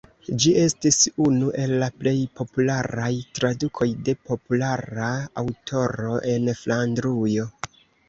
Ĝi estis unu el la plej popularaj tradukoj de populara aŭtoro en Flandrujo.